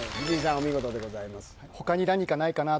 お見事でございます